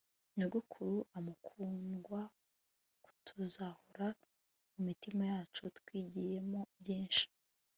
nyogokuru mukundwa, tuzahora mumitima yacu twigiyemo byinshi